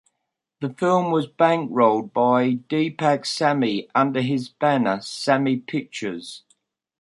The film was bankrolled by Deepak Sami under his banner Sami Pictures.